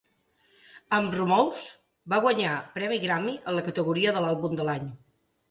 Amb "Rumours" va guanyar un premi Grammy en la categoria d'Àlbum de l'any.